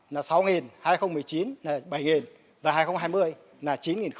hai nghìn một mươi tám là sáu hai nghìn một mươi chín là bảy và hai nghìn hai mươi là chín chín mươi